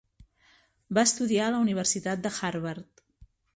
Va estudiar a la Universitat de Harvard.